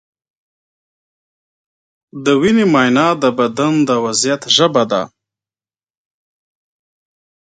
د وینې معاینه د بدن د وضعیت ژبه ده.